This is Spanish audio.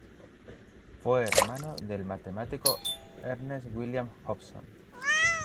Fue hermano del matemático Ernest William Hobson.